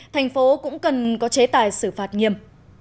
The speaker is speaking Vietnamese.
thành phố cũng cần có chế tài xử phạt nghiêm